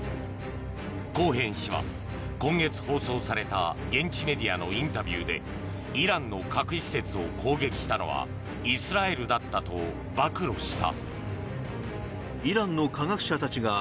コーヘン氏は今月放送された現地メディアのインタビューでイランの核施設を攻撃したのはイスラエルだったと暴露した。